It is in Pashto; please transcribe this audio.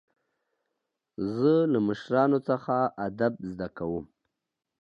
زه له مشرانو څخه ادب زده کوم.